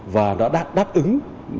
và đã đáp ứng